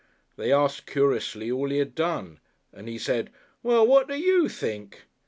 They asked curiously all he had done and he said, "Well, what do you think?"